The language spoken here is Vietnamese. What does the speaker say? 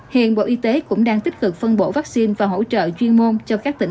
hiện bộ y tế cũng đang tích cực phân bổ vaccine và hỗ trợ chuyên môn